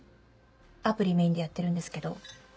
アプリメインでやってるんですけど。